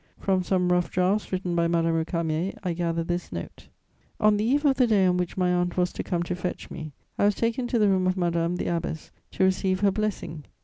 From some rough drafts written by Madame Récamier, I gather this note: "On the eve of the day on which my aunt was to come to fetch me, I was taken to the room of Madame the Abbess to receive her blessing.